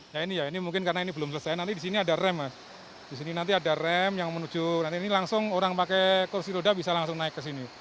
ya ini ya ini mungkin karena ini belum selesai nanti di sini ada rem mas disini nanti ada rem yang menuju nanti ini langsung orang pakai kursi roda bisa langsung naik ke sini